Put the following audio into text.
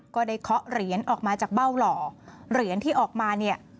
เคาะเหรียญออกมาจากเบ้าหล่อเหรียญที่ออกมาเนี่ย